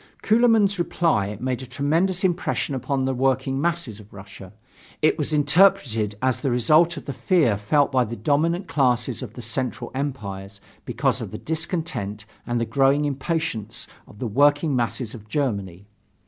Kuehlmann's reply made a tremendous impression upon the working masses of Russia. It was interpreted as a result of the fear felt by the dominant classes of the Central Empires because of the discontent and the growing impatience of the working masses of Germany.